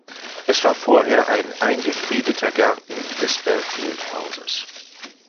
Es war vorher ein eingefriedeter Garden des Belfield-Hauses.